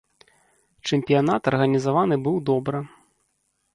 Чэмпіянат арганізаваны быў добра.